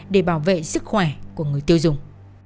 để bảo vệ sức khỏe của người tiêu dùng